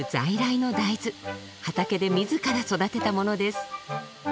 畑で自ら育てたものです。